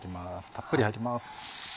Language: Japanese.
たっぷり入ります。